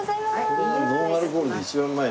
これがノンアルコールで一番うまい。